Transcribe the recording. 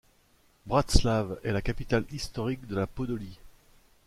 Bratslav est la capitale historique de la Podolie.